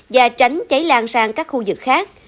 và tránh cháy lan sang các khu vực khác